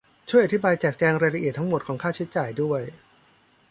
ช่วยอธิบายแจกแจงรายละเอียดทั้งหมดของค่าใช้จ่ายด้วย